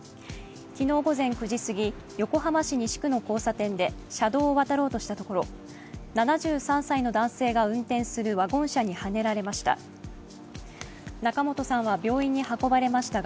昨日午前９時過ぎ、横浜市西区の交差点で車道を渡ろうとしたところ７３歳の男性が運転するワゴン車にはねられました。